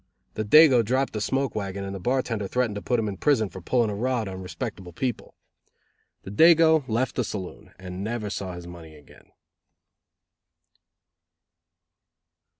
The dago dropped the smoke wagon and the bartender threatened to put him in prison for pulling a rod on respectable people. The dago left the saloon and never saw his money again.